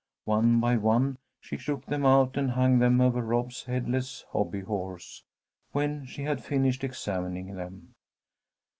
One by one she shook them out and hung them over Rob's headless hobby horse, when she had finished examining them.